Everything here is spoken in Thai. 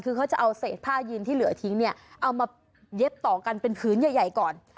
คือเขาจะเอาเศษผ้ายีนที่เหลือทิ้งเนี่ยเอามาเย็บต่อกันเป็นพื้นใหญ่ก่อน